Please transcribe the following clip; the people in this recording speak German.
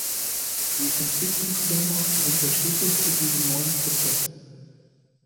Die Entwicklungsländer sind der Schlüssel zu diesem neuen Prozess.